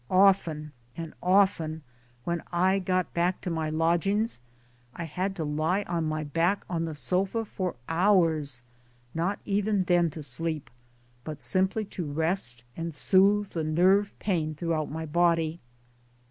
Often and often when I got back to my lodgings I had to lie on my back on the sofa for hours not even then to sleep but simply to rest and soothe the nerve pain throughout my body.